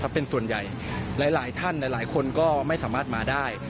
เป็นส่วนใหญ่หลายท่านหลายคนก็ไม่สามารถมาได้